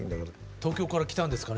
東京から来たんですかね？